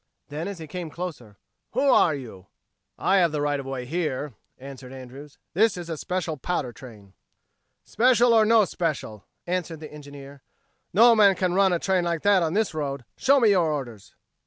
Then as he came closer: "Who are you?" "I have the right of way here," answered Andrews. "This is a special powder train." "Special or no special," answered the engineer, "no man can run a train like that on this road. Show me your orders."